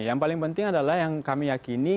yang paling penting adalah yang kami yakini